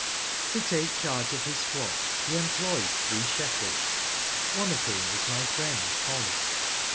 To take charge of his flock he employed three shepherds, one of whom was my friend Tom.